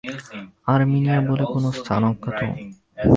আরমিনীয়া বলে কোন স্থান অজ্ঞাত।